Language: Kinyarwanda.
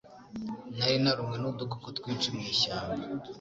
Nari narumwe nudukoko twinshi mwishyamba.